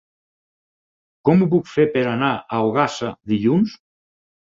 Com ho puc fer per anar a Ogassa dilluns?